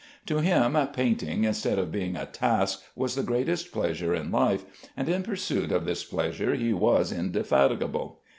To him, painting, instead of being a task, was the greatest pleasure in life, and in pursuit of this pleasure he was indefatigable.